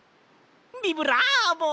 ビブラーボ！